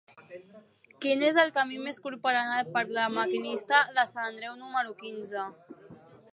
Quin és el camí més curt per anar al parc de La Maquinista de Sant Andreu número quinze?